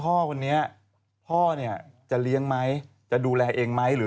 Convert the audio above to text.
พ่อเนี่ยเขาคงจะแบบว่าดูแลได้หรอ